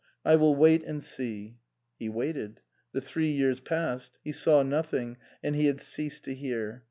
I will wait and see." He waited. The three years passed ; he saw nothing and he had ceased to hear.